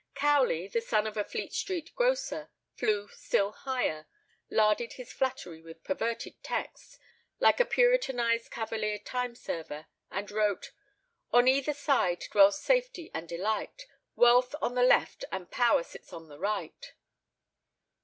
Cowley, the son of a Fleet Street grocer, flew still higher, larded his flattery with perverted texts, like a Puritanised Cavalier time server, and wrote "On either side dwells Safety and Delight; Wealth on the left and Power sits on the right."